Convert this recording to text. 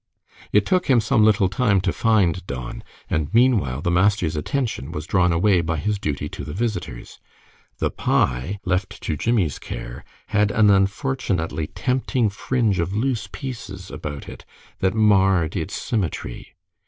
It took him some little time to find Don, and meanwhile the master's attention was drawn away by his duty to the visitors. The pie left to Jimmie's care had an unfortunately tempting fringe of loose pieces about it that marred its symmetry.